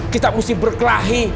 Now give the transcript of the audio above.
kita mesti berkelahi